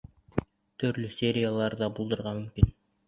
Төрлө сериялар ҙа булдырырға мөмкин.